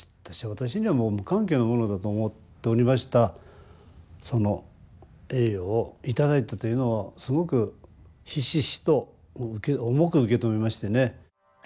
私にはもう無関係のものだと思っておりましたその栄誉を頂いたというのはすごくひしひしと重く受け止めましてね。